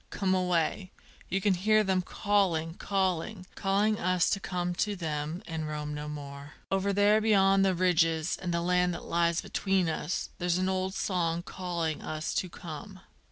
come away! you can hear them calling, calling, Calling us to come to them, and roam no more. Over there beyond the ridges and the land that lies between us, There's an old song calling us to come!